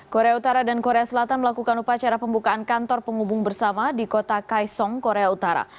korea utara dan korea selatan melakukan upacara pembukaan kantor penghubung bersama di kota kaisong korea utara